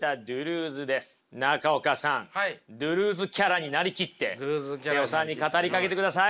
ドゥルーズキャラに成りきって妹尾さんに語りかけてください。